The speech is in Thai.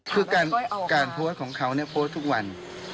คือการโพสต์ของเขาเนี่ยโพสต์ทุกวัน